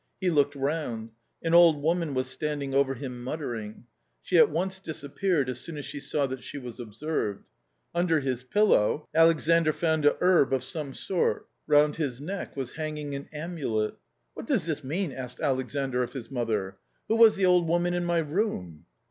He looked round ; an old woman was standing over him muttering. She at once disappeared as soon as she saw that she was observed. Under his pillow Alexandr found a herb of some sort ; round his neck was hanging an amulet. " What does this mean ?" asked Alexandr of his mother ;" who was the old woman in my room